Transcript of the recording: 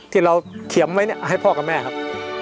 ที่เราเขียนไว้ให้พ่อกับแม่ครับ